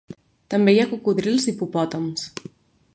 També hi ha cocodrils i hipopòtams.